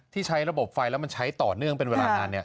ใช้ระบบไฟแล้วมันใช้ต่อเนื่องเป็นเวลานาน